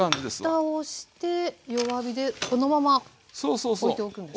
蓋をして弱火でこのままおいておくんですか？